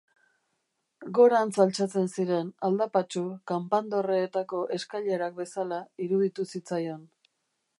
Gorantz altxatzen ziren, aldapatsu, kanpandorreetako eskailerak bezala, iruditu zitzaion.